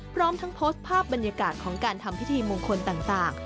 พร้อมทั้งโพสต์ภาพบรรยากาศของการทำพิธีมงคลต่าง